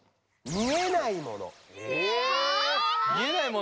見えないもの？